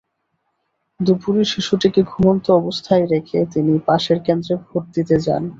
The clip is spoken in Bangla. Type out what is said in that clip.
দুপুরে শিশুটিকে ঘুমন্ত অবস্থায় রেখে তিনি পাশের কেন্দ্রে ভোট দিতে যান।